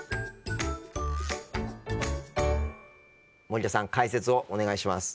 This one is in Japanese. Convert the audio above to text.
森田さん解説をお願いします。